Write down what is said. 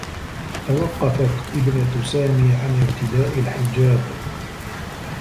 توقّفت ابنة سامي عن ارتداء الحجاب.